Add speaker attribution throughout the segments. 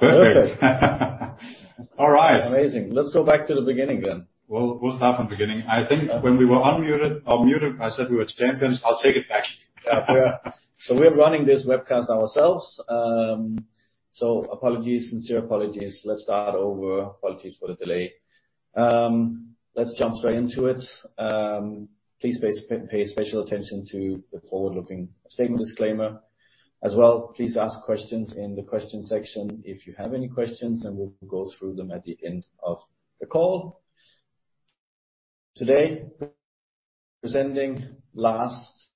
Speaker 1: Perfect. All right.
Speaker 2: Amazing. Let's go back to the beginning then.
Speaker 1: We'll start from the beginning. I think when we were unmuted or muted, I said we were champions. I'll take it back.
Speaker 2: We're running this webcast ourselves. So apologies, sincere apologies. Let's start over. Apologies for the delay. Let's jump straight into it. Please pay special attention to the forward-looking statement disclaimer. As well, please ask questions in the question section if you have any questions, and we'll go through them at the end of the call. Today, presenting Lars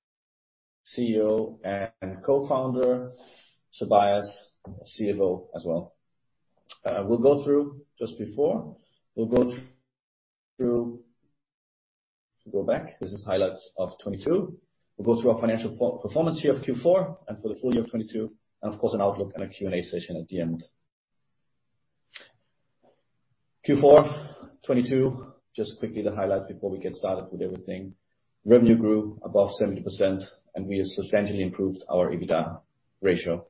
Speaker 2: CEO and co-founder, Tobias, CFO as well. We'll go through just before. We'll go through, go back. This is highlights of 2022. We'll go through our financial performance here of Q4 and for the full year of 2022, of course, an outlook and a Q&A session at the end. Q4 2022, just quickly the highlights before we get started with everything. Revenue grew above 70%, we substantially improved our EBITDA ratio,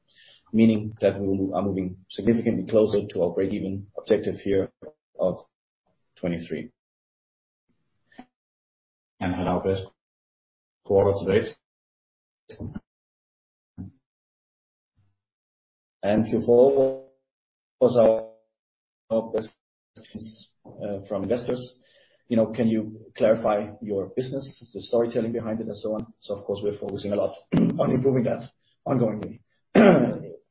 Speaker 2: meaning that we are moving significantly closer to our breakeven objective year of 23. Had our best quarter to date. Q4 was our best from investors. You know, can you clarify your business, the storytelling behind it, and so on. Of course, we're focusing a lot on improving that ongoingly.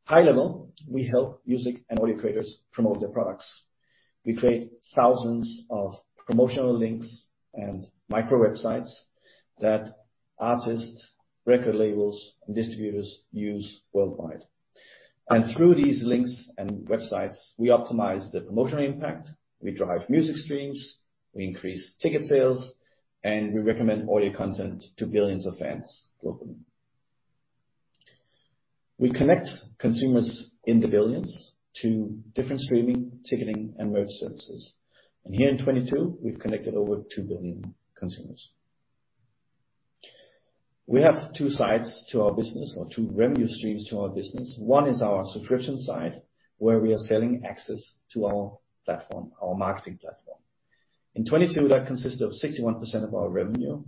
Speaker 2: High level, we help music and audio creators promote their products. We create thousands of promotional links and micro websites that artists, record labels, and distributors use worldwide. Through these links and websites, we optimize the promotional impact, we drive music streams, we increase ticket sales, and we recommend audio content to billions of fans globally. We connect consumers in the billions to different streaming, ticketing, and merch services. Here in 2022, we've connected over 2 billion consumers. We have two sides to our business or two revenue streams to our business. One is our subscription side, where we are selling access to our platform, our marketing platform. In 2022, that consisted of 61% of our revenue.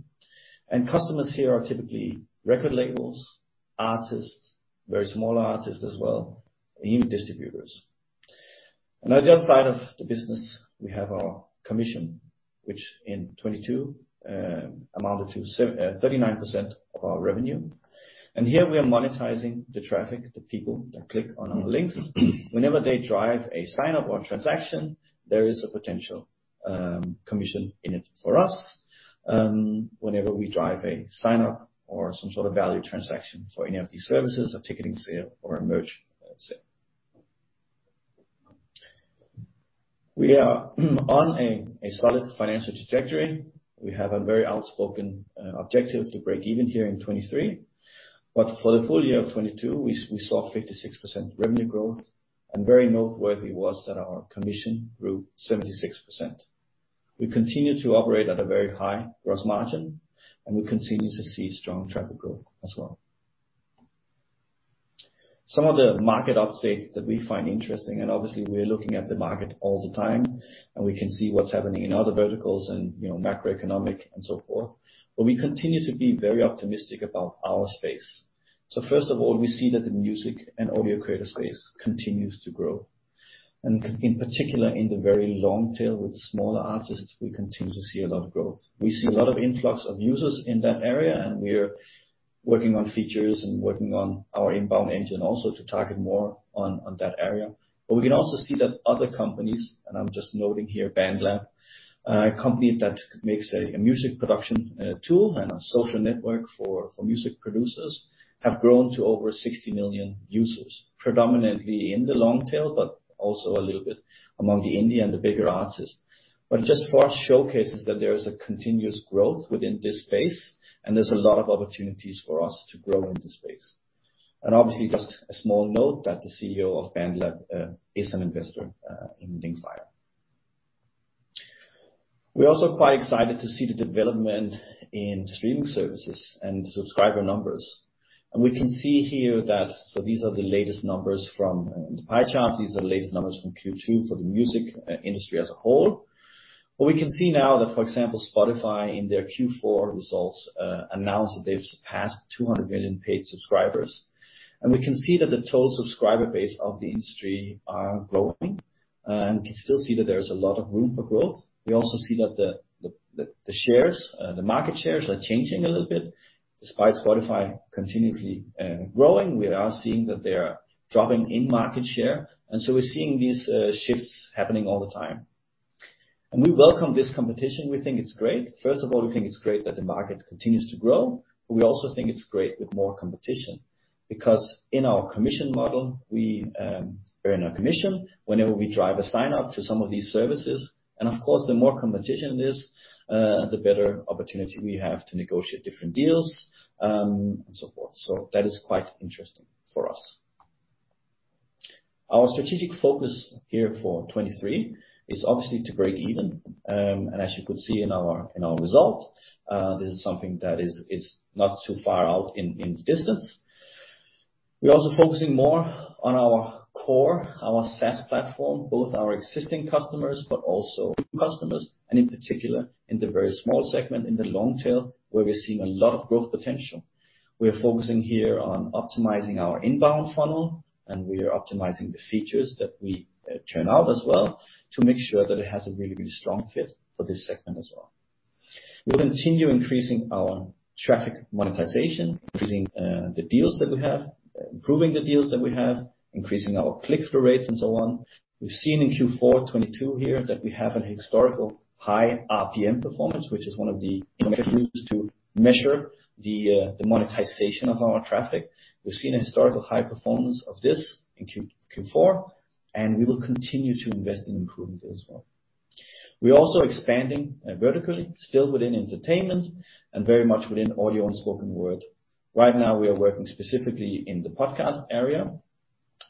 Speaker 2: Customers here are typically record labels, artists, very small artists as well, and even distributors. On the other side of the business, we have our commission, which in 2022, amounted to 39% of our revenue. Here, we are monetizing the traffic, the people that click on our links. Whenever they drive a sign-up or transaction, there is a potential commission in it for us, whenever we drive a sign-up or some sort of value transaction for any of these services, a ticketing sale or a merch sale. We are on a solid financial trajectory. We have a very outspoken objective to break even here in 2023. For the full year of 2022, we saw 56% revenue growth, and very noteworthy was that our commission grew 76%. We continue to operate at a very high gross margin, and we continue to see strong traffic growth as well. Some of the market updates that we find interesting, and obviously, we're looking at the market all the time, and we can see what's happening in other verticals and, you know, macroeconomic and so forth. We continue to be very optimistic about our space. First of all, we see that the music and audio creator space continues to grow. In particular, in the very long tail with smaller artists, we continue to see a lot of growth. We see a lot of influx of users in that area, and we're working on features and working on our inbound engine also to target more on that area. We can also see that other companies, and I'm just noting here, BandLab, a company that makes a music production tool and a social network for music producers, have grown to over 60 million users, predominantly in the long tail, but also a little bit among the indie and the bigger artists. Just for us, showcases that there is a continuous growth within this space, and there's a lot of opportunities for us to grow in this space. Obviously, just a small note that the CEO of BandLab is an investor in Linkfire. We're also quite excited to see the development in streaming services and subscriber numbers. We can see here these are the latest numbers from the pie charts. These are the latest numbers from Q2 for the music industry as a whole. We can see now that, for example, Spotify in their Q4 results announced that they've surpassed 200 million paid subscribers. We can see that the total subscriber base of the industry are growing and can still see that there's a lot of room for growth. We also see that the shares, the market shares are changing a little bit. Despite Spotify continuously growing, we are seeing that they are dropping in market share, we're seeing these shifts happening all the time. We welcome this competition. We think it's great. We think it's great that the market continues to grow, but we also think it's great with more competition. In our commission model, we earn our commission whenever we drive a sign-up to some of these services. Of course, the more competition there is, the better opportunity we have to negotiate different deals and so forth. That is quite interesting for us. Our strategic focus here for 2023 is obviously to break even. As you could see in our, in our result, this is something that is not too far out in the distance. We're also focusing more on our core, our SaaS platform, both our existing customers but also customers, and in particular, in the very small segment in the long tail where we're seeing a lot of growth potential. We're focusing here on optimizing our inbound funnel, and we are optimizing the features that we turn out as well to make sure that it has a really, really strong fit for this segment as well. We'll continue increasing our traffic monetization, increasing the deals that we have, improving the deals that we have, increasing our click-through rates and so on. We've seen in Q4 2022 here that we have an historical high RPM performance, which is one of the metrics we use to measure the monetization of our traffic. We've seen a historical high performance of this in Q4, and we will continue to invest in improving it as well. We're also expanding vertically, still within entertainment and very much within audio and spoken word. Right now, we are working specifically in the podcast area,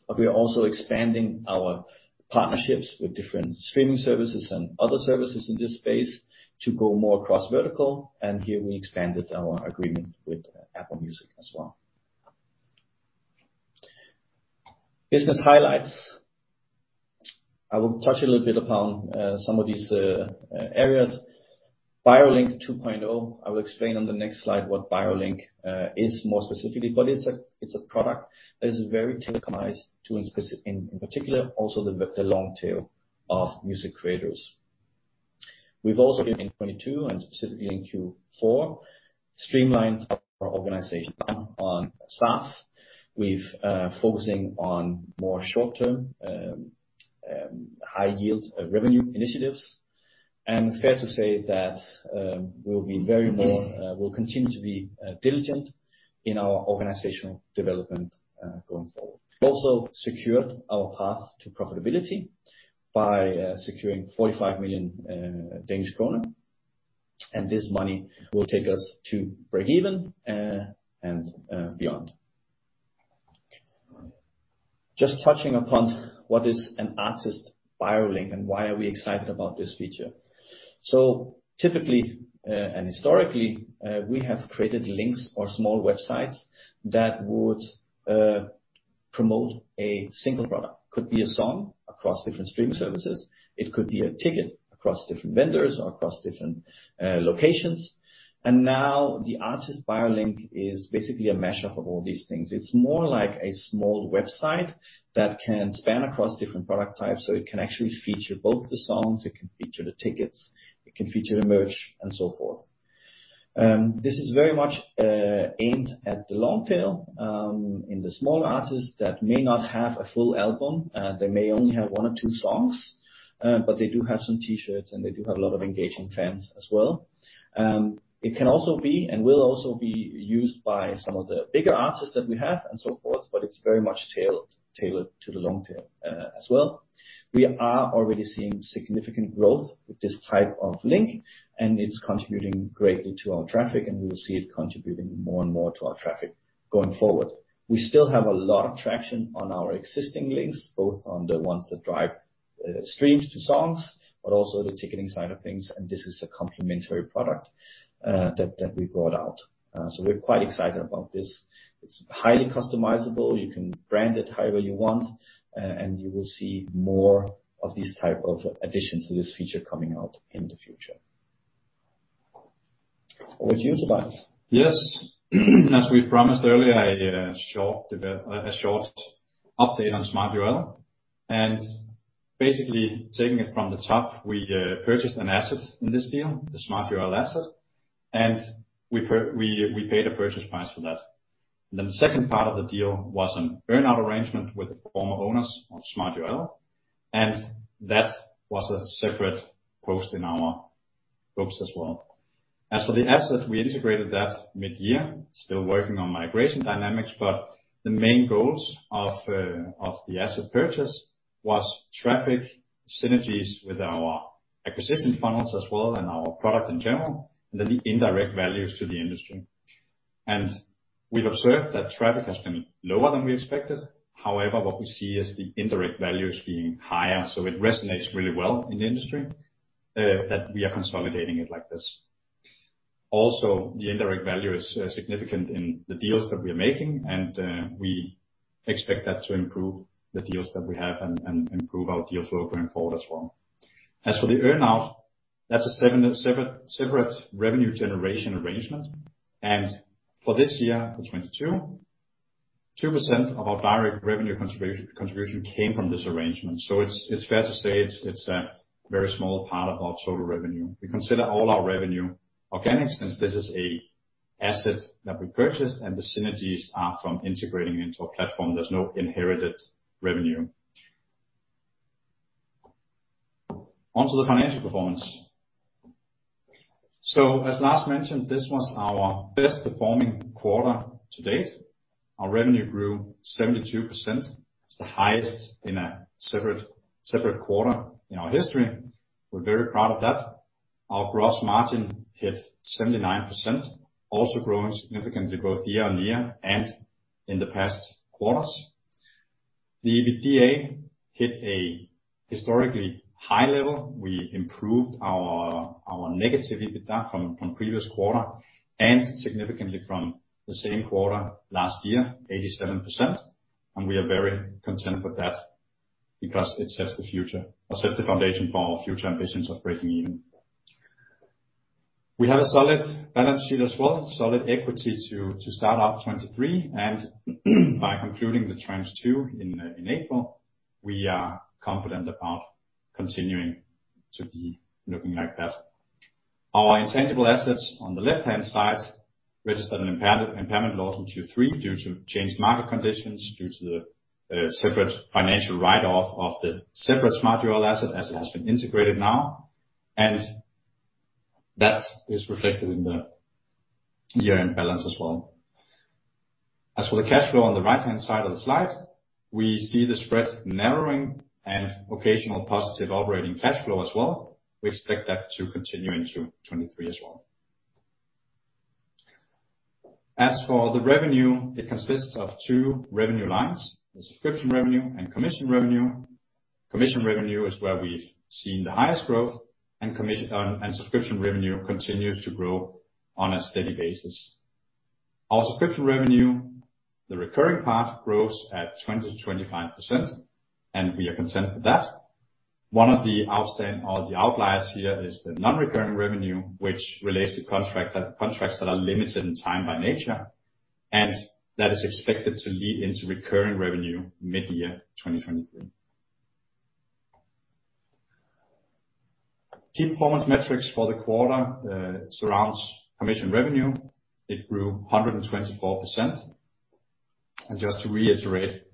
Speaker 2: but we are also expanding our partnerships with different streaming services and other services in this space to go more cross-vertical. Here we expanded our agreement with Apple Music as well. Business highlights. I will touch a little bit upon some of these areas. Bio Link 2.0. I will explain on the next slide what Bio Link is more specifically, but it's a product that is very tailor-customized to in particular, also the long tail of music creators. We've also, in 2022 and specifically in Q4, streamlined our organization down on staff. We've focusing on more short-term, high yield, revenue initiatives. Fair to say that, we'll be very more, we'll continue to be diligent in our organizational development, going forward. Also secured our path to profitability by securing 45 million Danish kroner, and this money will take us to break even and beyond. Just touching upon what is an artist Bio Link and why are we excited about this feature. Typically, and historically, we have created links or small websites that would promote a single product. Could be a song across different streaming services, it could be a ticket across different vendors or across different locations. Now the artist Bio Link is basically a mashup of all these things. It's more like a small website that can span across different product types, so it can actually feature both the songs, it can feature the tickets, it can feature the merch, and so forth. This is very much aimed at the long tail in the small artists that may not have a full album. They may only have one or two songs, but they do have some T-shirts, and they do have a lot of engaging fans as well. It can also be and will also be used by some of the bigger artists that we have and so forth, but it's very much tailored to the long tail as well. We are already seeing significant growth with this type of link. It's contributing greatly to our traffic. We will see it contributing more and more to our traffic going forward. We still have a lot of traction on our existing links, both on the ones that drive streams to songs, but also the ticketing side of things. This is a complementary product that we brought out. We're quite excited about this. It's highly customizable. You can brand it however you want. You will see more of these type of additions to this feature coming out in the future. Over to you, Tobias.
Speaker 1: Yes. As we promised earlier, a short update on smartURL. Basically taking it from the top, we purchased an asset in this deal, the smartURL asset, and we paid a purchase price for that. The second part of the deal was an earn-out arrangement with the former owners of smartURL, That was a separate post in our books as well. As for the asset, we integrated that mid-year. Still working on migration dynamics, but the main goals of the asset purchase was traffic synergies with our acquisition funnels as well and our product in general, The indirect values to the industry. We've observed that traffic has been lower than we expected. However, what we see is the indirect value is being higher, so it resonates really well in the industry, that we are consolidating it like this. Also, the indirect value is significant in the deals that we are making, and we expect that to improve the deals that we have and improve our deals going forward as well. As for the earn-out, that's a separate revenue generation arrangement. For this year, for 2022, 2% of our direct revenue contribution came from this arrangement. It's fair to say it's a very small part of our total revenue. We consider all our revenue organic since this is a asset that we purchased and the synergies are from integrating into our platform. There's no inherited revenue. On to the financial performance. As Lars mentioned, this was our best performing quarter to date. Our revenue grew 72%. It's the highest in a separate quarter in our history. We're very proud of that. Our gross margin hit 79%, also growing significantly both year-on-year and in the past quarters. The EBITDA hit a historically high level. We improved our negative EBITDA from previous quarter and significantly from the same quarter last year, 87%. We are very content with that because it sets the future or sets the foundation for our future ambitions of breaking even. We have a solid balance sheet as well, solid equity to start out 2023. By concluding the Tranche 2 in April, we are confident about continuing to be looking like that. Our intangible assets on the left-hand side registered an impairment loss in Q3 due to changed market conditions, due to the separate financial write-off of the separate smartURL asset as it has been integrated now. That is reflected in the year-end balance as well. As for the cash flow on the right-hand side of the slide, we see the spread narrowing and occasional positive operating cash flow as well. We expect that to continue into 2023 as well. As for the revenue, it consists of two revenue lines, the subscription revenue and commission revenue. Commission revenue is where we've seen the highest growth, and subscription revenue continues to grow on a steady basis. Our subscription revenue, the recurring part, grows at 20%-25%, and we are content with that. One of the outstanding or the outliers here is the non-recurring revenue, which relates to contracts that are limited in time by nature. That is expected to lead into recurring revenue mid-year 2023. Key performance metrics for the quarter surrounds commission revenue. It grew 124%. Just to reiterate, the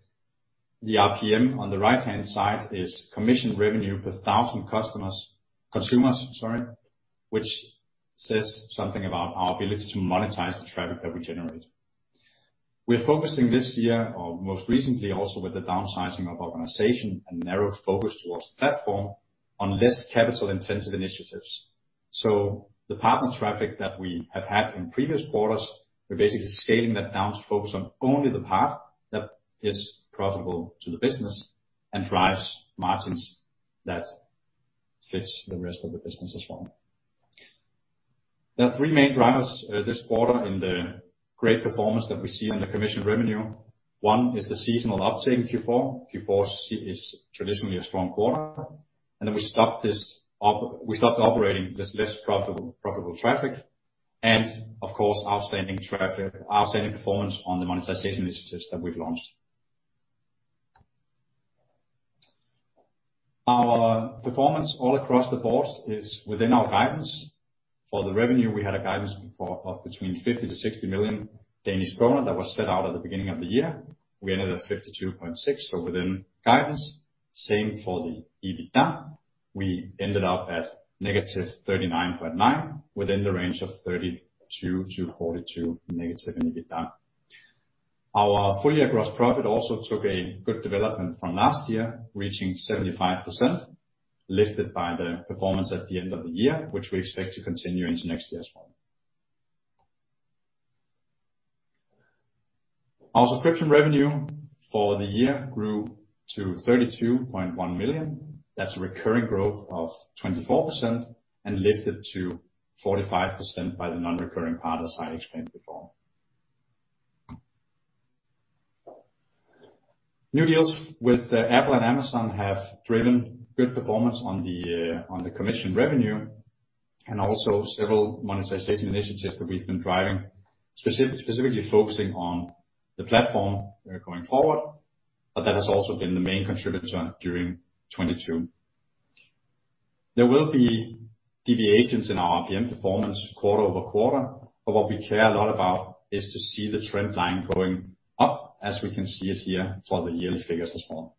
Speaker 1: RPM on the right-hand side is commission revenue per 1,000 customers, consumers, sorry, which says something about our ability to monetize the traffic that we generate. We're focusing this year or most recently also with the downsizing of organization and narrowed focus towards platform on less capital-intensive initiatives. The partner traffic that we have had in previous quarters, we're basically scaling that down to focus on only the part that is profitable to the business and drives margins that fits the rest of the business as well. There are three main drivers, this quarter in the great performance that we see in the commission revenue. One is the seasonal uptake in Q4. Q4 is traditionally a strong quarter. Then we stopped operating this less profitable traffic. Of course, outstanding performance on the monetization initiatives that we've launched. Our performance all across the board is within our guidance. For the revenue, we had a guidance before of between 50 million to 60 million Danish krone that was set out at the beginning of the year. We ended at 52.6, so within guidance. Same for the EBITDA. We ended up at negative 39.9 within the range of negative DKK 32-DKK 42 in EBITDA. Our full-year gross profit also took a good development from last year, reaching 75%, lifted by the performance at the end of the year, which we expect to continue into next year as well. Our subscription revenue for the year grew to 32.1 million. That's a recurring growth of 24% and lifted to 45% by the non-recurring partners I explained before. New deals with Apple and Amazon have driven good performance on the commission revenue and also several monetization initiatives that we've been driving, specifically focusing on the platform going forward. That has also been the main contributor during 2022. There will be deviations in our RPM performance quarter-over-quarter, what we care a lot about is to see the trend line going up as we can see it here for the yearly figures as well.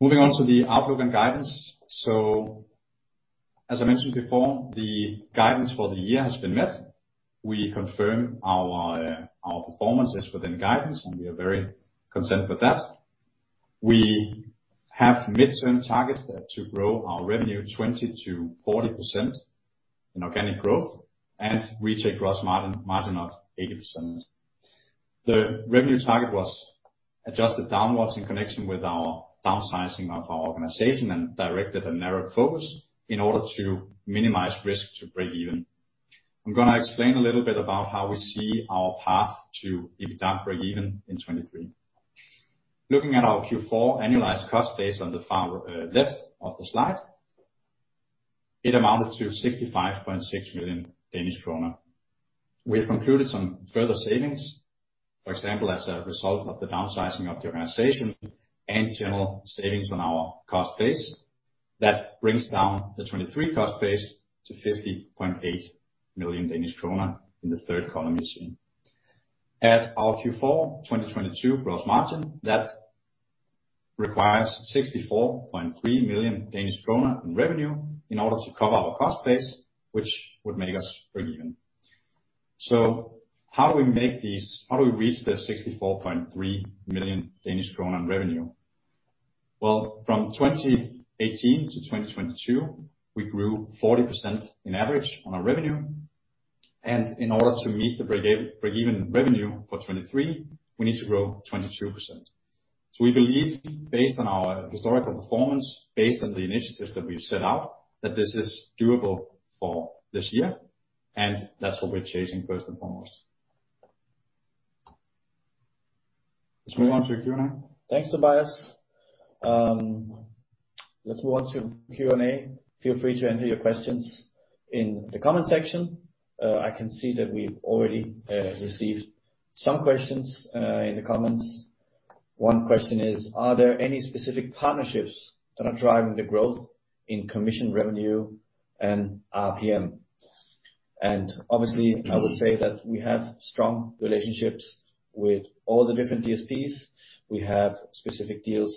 Speaker 1: Moving on to the outlook and guidance. As I mentioned before, the guidance for the year has been met. We confirm our performance is within guidance, and we are very content with that. We have mid-term targets there to grow our revenue 20% to 40% in organic growth and reach a gross margin of 80%. The revenue target was adjusted downwards in connection with our downsizing of our organization and directed a narrowed focus in order to minimize risk to break even. I'm gonna explain a little bit about how we see our path to EBITDA break even in 2023. Looking at our Q4 annualized cost base on the far left of the slide, it amounted to 65.6 million Danish kroner. We have concluded some further savings, for example, as a result of the downsizing of the organization and general savings on our cost base. That brings down the 2023 cost base to 50.8 million Danish kroner in the third column you see. At our Q4 2022 gross margin, that requires 64.3 million Danish kroner in revenue in order to cover our cost base, which would make us break even. How do we reach the 64.3 million Danish kroner in revenue? Well, from 2018 to 2022, we grew 40% in average on our revenue. In order to meet the break-even revenue for 2023, we need to grow 22%. We believe based on our historical performance, based on the initiatives that we've set out, that this is doable for this year, and that's what we're chasing first and foremost. Let's move on to Q&A.
Speaker 2: Thanks, Tobias. Let's move on to Q&A. Feel free to enter your questions in the comment section. I can see that we've already received some questions in the comments. One question is, "Are there any specific partnerships that are driving the growth in commission revenue and RPM?" Obviously, I would say that we have strong relationships with all the different DSPs. We have specific deals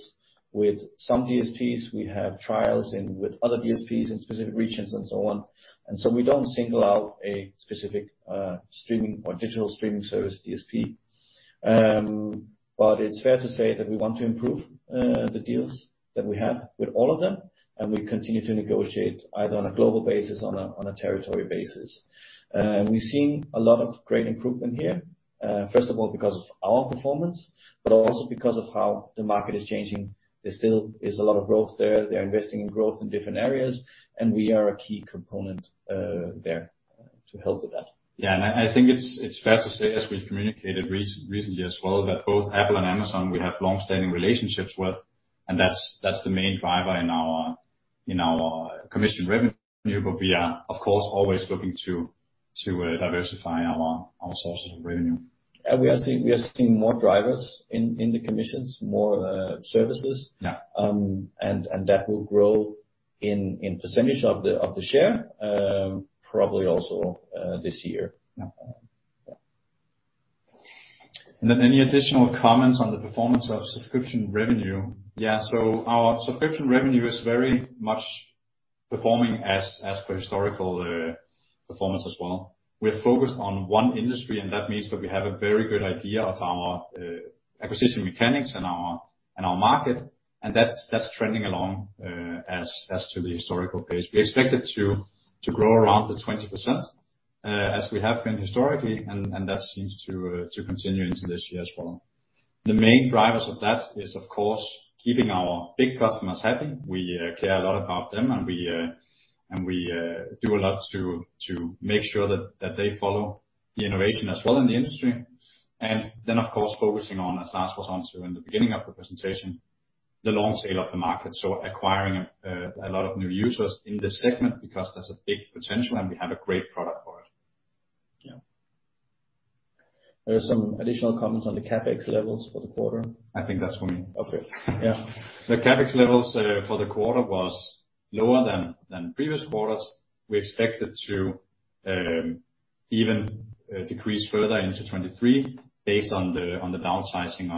Speaker 2: with some DSPs. We have trials in with other DSPs in specific regions and so on. We don't single out a specific streaming or digital streaming service DSP. But it's fair to say that we want to improve the deals that we have with all of them, and we continue to negotiate either on a global basis, on a territory basis. We've seen a lot of great improvement here, first of all because of our performance, but also because of how the market is changing. There still is a lot of growth there. They're investing in growth in different areas, and we are a key component, there to help with that.
Speaker 1: Yeah. I think it's fair to say, as we've communicated recently as well, that both Apple and Amazon we have long-standing relationships with. That's the main driver in our commission revenue. We are, of course, always looking to diversify our sources of revenue.
Speaker 2: We are seeing more drivers in the commissions, more services.
Speaker 1: Yeah.
Speaker 2: That will grow in percentage of the share, probably also, this year.
Speaker 1: Yeah.
Speaker 2: Any additional comments on the performance of subscription revenue?
Speaker 1: Yeah. Our subscription revenue is very much performing as per historical performance as well. We are focused on one industry, and that means that we have a very good idea of our acquisition mechanics and our market, and that's trending along as to the historical pace. We expect it to grow around the 20%, as we have been historically, and that seems to continue into this year as well. The main drivers of that is, of course, keeping our big customers happy. We care a lot about them, and we do a lot to make sure that they follow the innovation as well in the industry. Of course, focusing on, as Lars was onto in the beginning of the presentation, the long tail of the market, so acquiring a lot of new users in this segment because there's a big potential and we have a great product for it.
Speaker 2: Yeah. There's some additional comments on the CapEx levels for the quarter.
Speaker 1: I think that's for me.
Speaker 2: Okay. Yeah.
Speaker 1: The CapEx levels for the quarter was lower than previous quarters. We expect it to even decrease further into 2023 based on the downsizing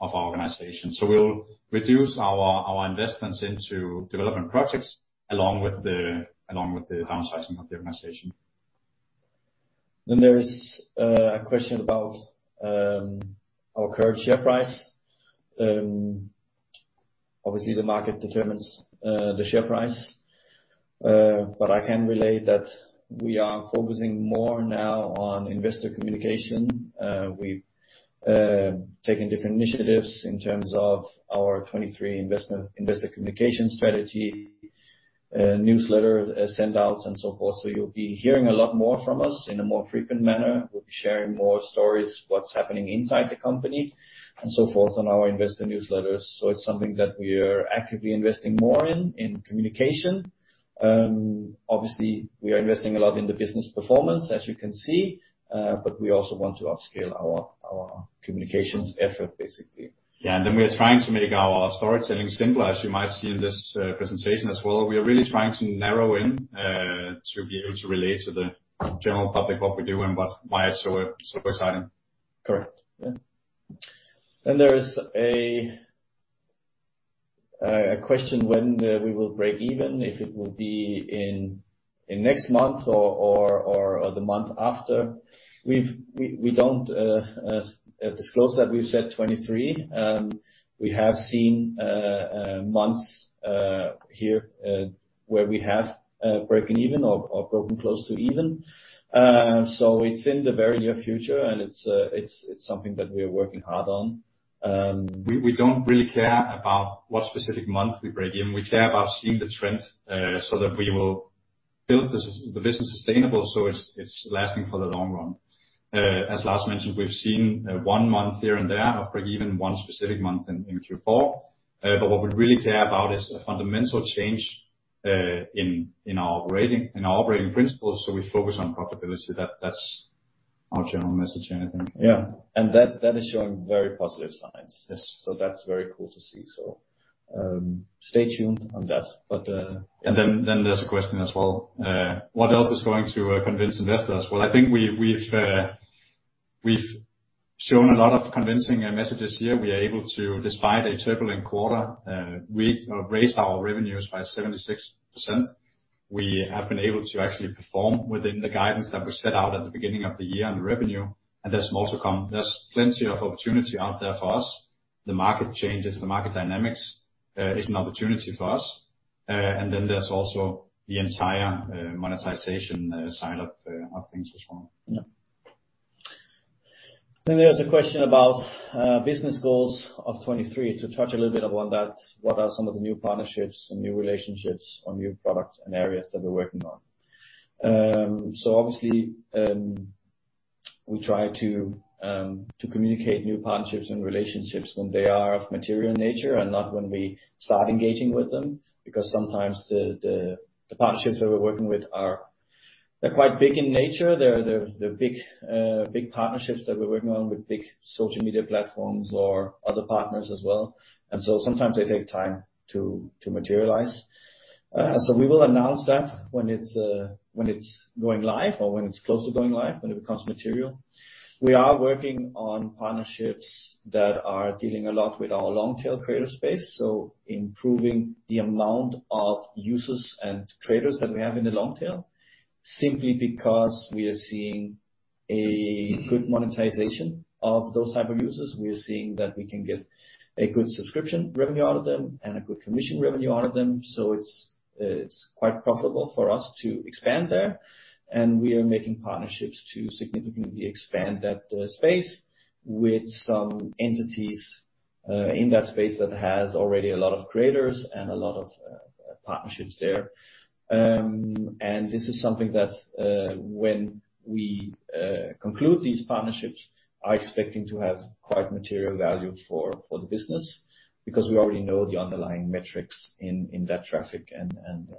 Speaker 1: of our organization. We'll reduce our investments into development projects along with the downsizing of the organization.
Speaker 2: There is a question about our current share price. Obviously the market determines the share price, I can relate that we are focusing more now on investor communication. We've taken different initiatives in terms of our 23 investment investor communication strategy, newsletter send-outs and so forth. You'll be hearing a lot more from us in a more frequent manner. We'll be sharing more stories, what's happening inside the company and so forth on our investor newsletters. It's something that we are actively investing more in communication. Obviously we are investing a lot in the business performance, as you can see, we also want to upscale our communications effort, basically.
Speaker 1: Yeah. Then we are trying to make our storytelling simpler, as you might see in this presentation as well. We are really trying to narrow in to be able to relate to the general public what we do and why it's so exciting.
Speaker 2: Correct. Yeah. There is a question when we will break even, if it will be in next month or the month after. We don't disclose that. We've said 23. We have seen months here where we have broken even or broken close to even. It's in the very near future, and it's something that we are working hard on.
Speaker 1: We don't really care about what specific month we break even. We care about seeing the trend so that we will build the business sustainable, so it's lasting for the long run. As Lars mentioned, we've seen one month here and there of break even, one specific month in Q4. What we really care about is a fundamental change in our operating principles, so we focus on profitability. That's our general message here, I think.
Speaker 2: Yeah. That is showing very positive signs.
Speaker 1: Yes.
Speaker 2: That's very cool to see. Stay tuned on that.
Speaker 1: There's a question as well: What else is going to convince investors? Well, I think we've shown a lot of convincing messages here. We are able to, despite a turbulent quarter, we raised our revenues by 76%. We have been able to actually perform within the guidance that was set out at the beginning of the year on the revenue, and there's more to come. There's plenty of opportunity out there for us. The market changes, the market dynamics is an opportunity for us. There's also the entire monetization side of things as well.
Speaker 2: Yeah. There's a question about business goals of 2023. To touch a little bit about that, what are some of the new partnerships and new relationships or new products and areas that we're working on. Obviously, we try to communicate new partnerships and relationships when they are of material nature and not when we start engaging with them, because sometimes the partnerships that we're working with are, they're quite big in nature. They're the big partnerships that we're working on with big social media platforms or other partners as well. Sometimes they take time to materialize. We will announce that when it's going live or when it's close to going live, when it becomes material. We are working on partnerships that are dealing a lot with our long tail creator space, so improving the amount of users and traders that we have in the long tail, simply because we are seeing a good monetization of those type of users. We are seeing that we can get a good subscription revenue out of them and a good commission revenue out of them. It's quite profitable for us to expand there, and we are making partnerships to significantly expand that space with some entities in that space that has already a lot of creators and a lot of partnerships there. This is something that, when we conclude these partnerships, are expecting to have quite material value for the business because we already know the underlying metrics in that traffic and,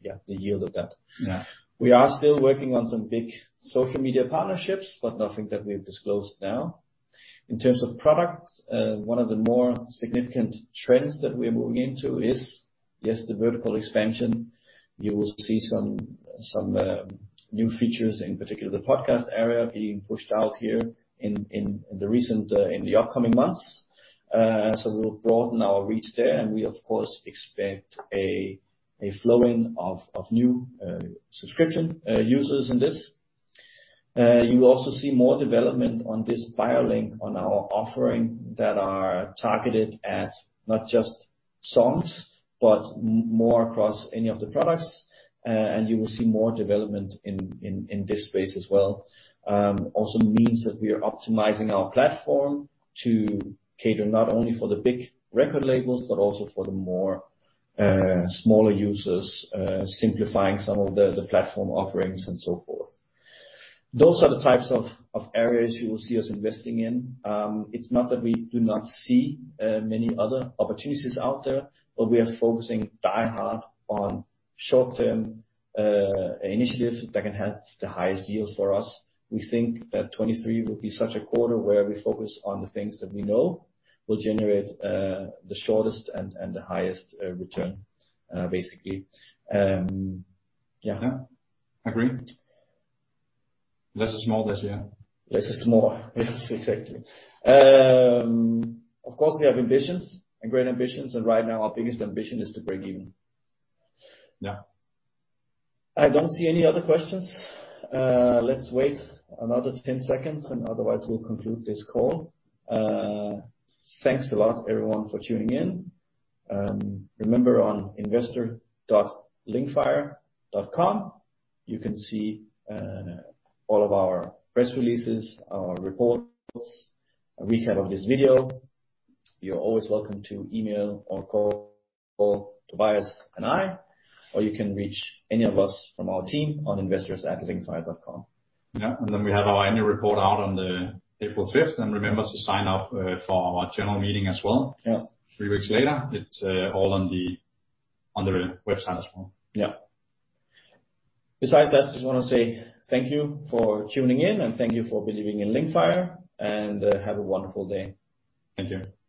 Speaker 2: yeah, the yield of that.
Speaker 1: Yeah.
Speaker 2: We are still working on some big social media partnerships, nothing that we have disclosed now. In terms of products, one of the more significant trends that we're moving into is, yes, the vertical expansion. You will see some new features, in particular the podcast area being pushed out here in the recent, in the upcoming months. We'll broaden our reach there, and we of course expect a flowing of new subscription users in this. You will also see more development on this Bio Link on our offering that are targeted at not just songs, but more across any of the products, you will see more development in this space as well. Also means that we are optimizing our platform to cater not only for the big record labels, but also for the more smaller users, simplifying some of the platform offerings and so forth. Those are the types of areas you will see us investing in. It's not that we do not see many other opportunities out there, but we are focusing die hard on short-term initiatives that can have the highest yields for us. We think that 2023 will be such a quarter where we focus on the things that we know will generate the shortest and the highest return basically.
Speaker 1: Agree. Less is more this year.
Speaker 2: Less is more. Yes, exactly. Of course, we have ambitions and great ambitions, and right now our biggest ambition is to break even.
Speaker 1: Yeah.
Speaker 2: I don't see any other questions. Let's wait another 10 seconds, otherwise we'll conclude this call. Thanks a lot everyone for tuning in. Remember on investors.linkfire.com, you can see all of our press releases, our reports, a recap of this video. You're always welcome to email or call Tobias and I, or you can reach any of us from our team on investors@linkfire.com.
Speaker 1: Yeah. We have our annual report out on the April 5th. Remember to sign up, for our general meeting as well.
Speaker 2: Yeah.
Speaker 1: Three weeks later. It's all on the, on the website as well.
Speaker 2: Yeah. Besides that, I just wanna say thank you for tuning in, and thank you for believing in Linkfire, and, have a wonderful day.
Speaker 1: Thank you.